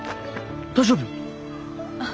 大丈夫？